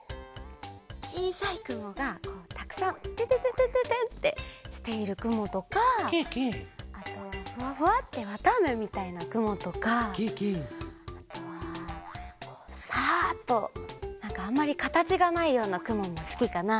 ちいさいくもがこうたくさんてんてんてんてんてんってしているくもとかあとフワフワッてわたあめみたいなくもとかあとはこうサッとなんかあんまりかたちがないようなくももすきかな。